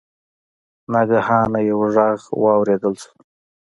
ناګهانه یو غږ واوریدل شو.